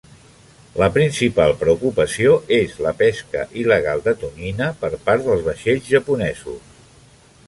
La principal preocupació és la pesca il·legal de tonyina per part dels vaixells japonesos.